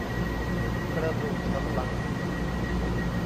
กระดูกสันหลัง